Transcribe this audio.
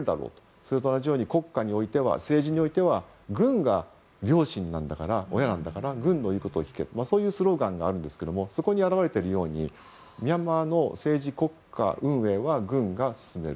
それと同じように国家においては、政治においては軍が両親なんだから親なんだから軍の言うことを聞けそういうスローガンがあるんですがそこに表れているようにミャンマーの政治国家運営は軍が進める。